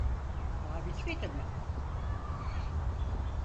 Daha bitmedi mi?